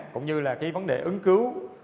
cũng như là cái vấn đề ứng cứu